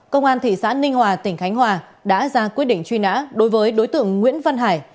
công an thị xã ninh hòa tỉnh khánh hòa đã ra quyết định truy nã đối với đối tượng nguyễn văn hải